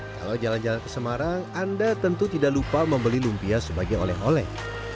kalau jalan jalan ke semarang anda tentu tidak lupa membeli lumpia sebagai oleh oleh